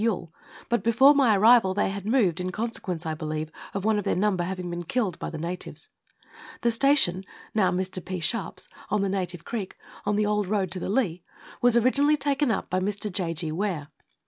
Yuille, but before my arrival they had moved, in consequence, I believe, of one of their number having been killed by the natives. The station (now Mr. P. Sharpens) on the Native Creek, on the old road to the Leigh, was originally taken up by Mr. J. G. Ware.